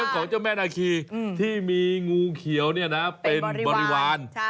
ของเจ้าแม่นาคีที่มีงูเขียวเป็นบริวาร